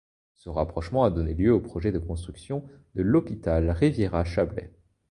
Ce rapprochement a donné lieu au projet de construction de l'Hôpital Riviera-Chablais.